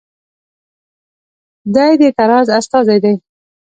دی د تزار استازی دی.